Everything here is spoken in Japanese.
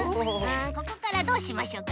あここからどうしましょうかね？